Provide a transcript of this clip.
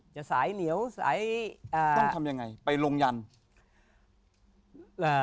จะสายเหนียวสายต้องทำยังไงไปโรงยันทร์